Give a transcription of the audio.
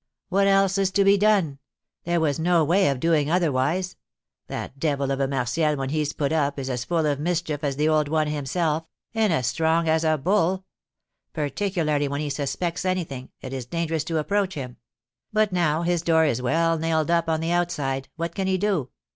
"What else is to be done? There was no way of doing otherwise. That devil of a Martial, when he's put up, is as full of mischief as the old one himself, and as strong as a bull; particularly when he suspects anything, it is dangerous to approach him; but, now his door is well nailed up on the outside, what can he do?